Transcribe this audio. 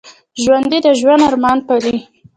ژوندي د ژوند ارمان پالي